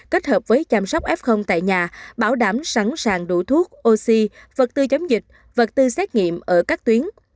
kết hợp với chăm sóc f tại nhà bảo đảm sẵn sàng đủ thuốc oxy vật tư chống dịch vật tư xét nghiệm ở các tuyến